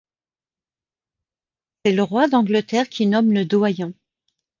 C'est le roi d'Angleterre qui nomme le doyen.